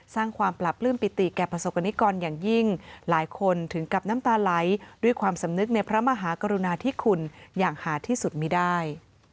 สร้างความปรับปลื้มปิติแก่ประสบกรณิกรอย่างยิ่งหลายคนถึงกับน้ำตาไหลด้วยความสำนึกในพระมหากรุณาธิคุณอย่างหาที่สุดมีได้